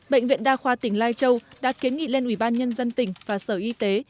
bệnh viện đa khoa tỉnh lai châu đã kiến nghị lên ủy ban nhân dân tỉnh và sở y tế